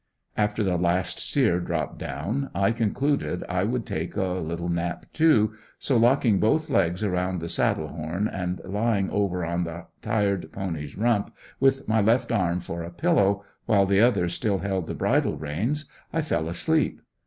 After the last steer dropped down I concluded I would take a little nap too, so locking both legs around the saddle horn and lying over on the tired pony's rump, with my left arm for a pillow, while the other still held the bridle reins, I fell asleep.